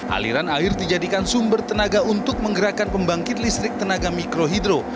aliran air dijadikan sumber tenaga untuk menggerakkan pembangkit listrik tenaga mikrohidro